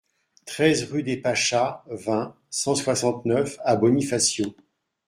treize rue des Pachas, vingt, cent soixante-neuf à Bonifacio